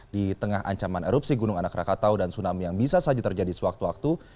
di tengah ancaman erupsi gunung anak rakatau dan tsunami yang bisa saja terjadi sewaktu waktu